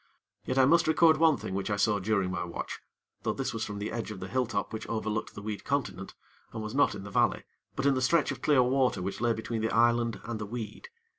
Yet I must record one thing which I saw during my watch; though this was from the edge of the hilltop which overlooked the weed continent, and was not in the valley, but in the stretch of clear water which lay between the island and the weed.